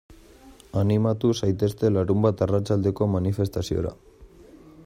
Animatu zaitezte larunbat arratsaldeko manifestaziora.